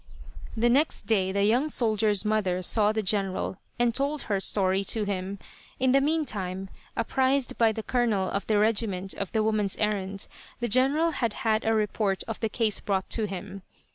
The next day the young soldier's mother saw the General and told her story to him. In the mean time, apprised by the Colonel of the regiment of the woman's errand, the General had had a report of the case brought to him.